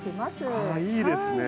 あいいですね。